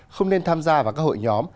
không nên tham gia vào các hội nhóm